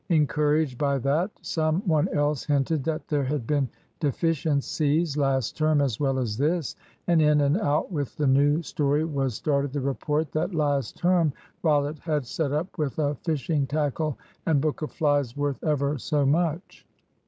Encouraged by that, some one else hinted that there had been deficiencies last term as well as this; and in and out with the new story was started the report that last term Rollitt had set up with a fishing tackle and book of flies worth ever so much.